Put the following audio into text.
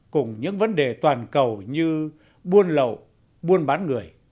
cùng những vấn đề toàn cầu như buôn lậu buôn bán người